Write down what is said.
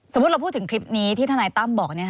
เราพูดถึงคลิปนี้ที่ทนายตั้มบอก